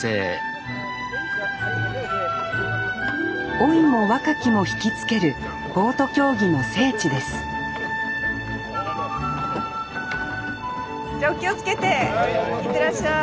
老いも若きもひきつけるボート競技の聖地ですじゃあお気をつけていってらっしゃい。